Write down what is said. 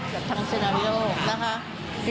กันทั้งเซนาวิอล์นะคะ